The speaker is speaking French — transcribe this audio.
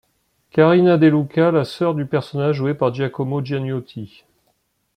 Carina Deluca, la sœur du personnage joué par Giacomo Gianniotti.